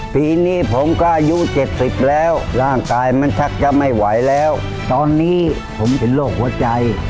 ปีนี้ผมก็อายุ๗๐แล้วร่างกายมันชักจะไม่ไหวแล้วตอนนี้ผมเป็นโรคหัวใจ